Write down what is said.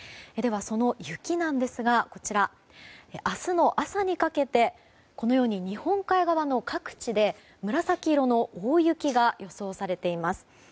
では、その雪ですが明日の朝にかけてこのように日本海側の各地で紫色の大雪が予想されています。